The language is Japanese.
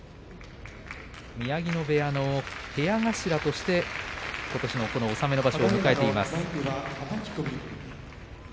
宮城野部屋の部屋頭として納めの場所を迎えています。